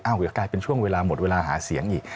เดี๋ยวกลายเป็นช่วงเวลาหมดเวลาหาเสียงอีก